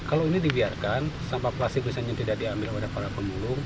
kalau ini dibiarkan sampah plastik misalnya tidak diambil oleh para pemulung